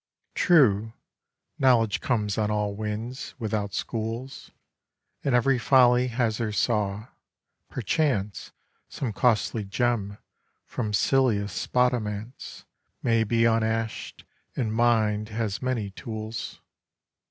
True, knowledge comes on all winds, without schools, And every folly has her saw: perchance Some costly gem from silliest spodomance May be unash'd; and mind has many tools.